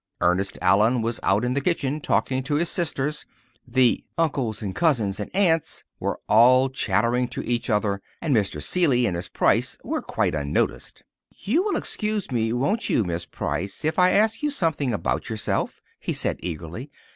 Ernest Allen was out in the kitchen talking to his sisters, the "uncles and cousins and aunts" were all chattering to each other, and Mr. Seeley and Miss Price were quite unnoticed. "You will excuse me, won't you, Miss Price, if I ask you something about yourself?" he said eagerly.